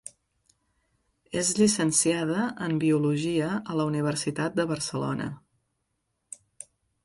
És llicenciada en biologia a la Universitat de Barcelona.